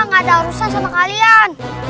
gak ada urusan sama kalian